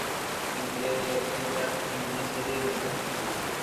Entra en una serie de números negativos.